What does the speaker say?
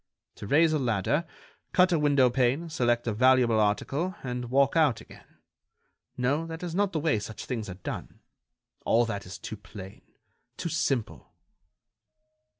To raise a ladder, cut a window pane, select a valuable article, and walk out again—no, that is not the way such things are done. All that is too plain, too simple."